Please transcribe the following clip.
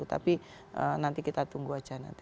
tapi nanti kita tunggu aja nanti